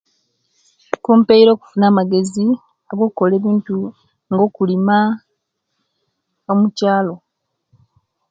Kumpeire okufuna amagezi ago'kukola ebintu nga okulima omukyaalo